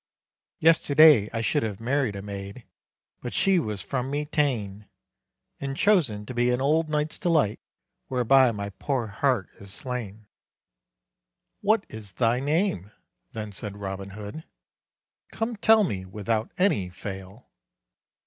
"Yesterday I should have married a maid, But she was from me ta'en, And chosen to be an old knight's delight, Whereby my poor heart is slain." "What is thy name?" then said Robin Hood, "Come tell me, without any fail."